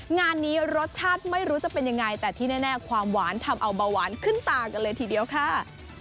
งานนี้รสชาติไม่รู้จะเป็นยังไงแต่ที่แน่ความหวานทำเอาเบาหวานขึ้นตากันเลยทีเดียวค่ะ